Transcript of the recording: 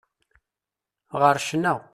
Ɣer ccna.